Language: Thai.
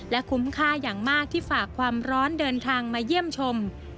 คุ้มค่าอย่างมากที่ฝากความร้อนเดินทางมาเยี่ยมชม